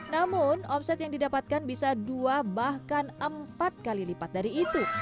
namun omset yang didapatkan bisa dua bahkan empat kali lipat dari itu